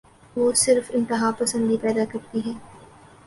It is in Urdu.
وہ صرف انتہا پسندی پیدا کرتی ہے۔